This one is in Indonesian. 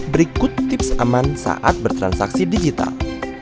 berikut tips aman saat bertransaksi digital